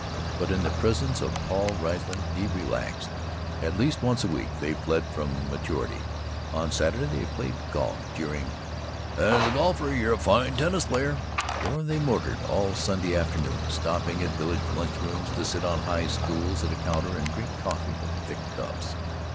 But in the presence of Paul Riesling he relaxed. At least once a week they fled from maturity. On Saturday they played golf, jeering, "As a golfer, you're a fine tennis player," or they motored all Sunday afternoon, stopping at village lunchrooms to sit on high stools at a counter and drink coffee from thick cups.